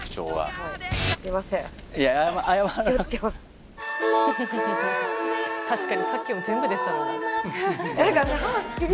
確かにさっきも全部出てたからな。